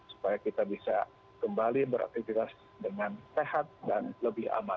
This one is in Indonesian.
supaya kita bisa kembali beraktivitas dengan sehat dan lebih aman